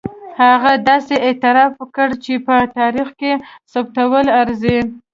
هغه داسې اعتراف کړی چې په تاریخ کې ثبتېدلو ارزي.